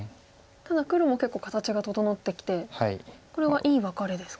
ただ黒も結構形が整ってきてこれはいいワカレですか。